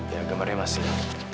ya gambarnya masih